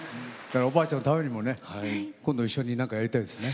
おばあちゃんのためにも今度、一緒に何かやりたいですね。